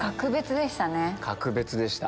格別でした